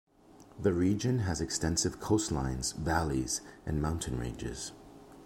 The region has extensive coastlines, valleys and mountain ranges.